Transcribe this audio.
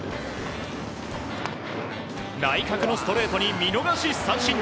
内角のストレートに見逃し三振。